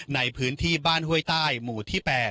ในพื้นที่บ้านห้วยใต้หมู่ที่๘